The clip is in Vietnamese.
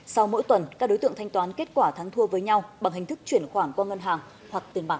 sau mỗi tuần các đối tượng thanh toán kết quả thắng thua với nhau bằng hình thức chuyển khoản qua ngân hàng hoặc tiền bạc